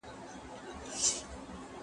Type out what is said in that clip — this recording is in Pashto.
¬ بنده و خپل عمل.